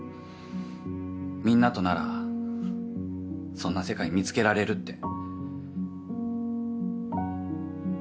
みんなとならそんな世界見つけられるって。